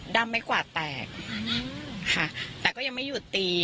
้ำไม่กวาดแตกค่ะแต่ก็ยังไม่หยุดตี